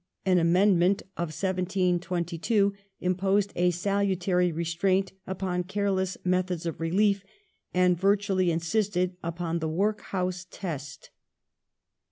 An amendment of 1722^ imposed a salutary restraint upon careless methods of relief, and virtually in sisted upon the " Workhouse test